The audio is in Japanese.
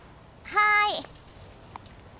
はい。